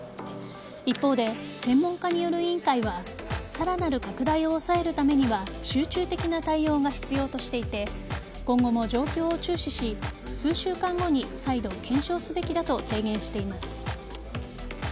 一方で、専門家による委員会はさらなる拡大を抑えるためには集中的な対応が必要としていて今後も状況を注視し数週間後に再度、検証すべきだと提言しています。